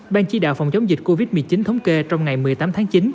ban chỉ đạo phòng chống dịch covid một mươi chín thống kê trong ngày một mươi tám tháng chín